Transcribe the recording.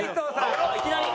いきなり？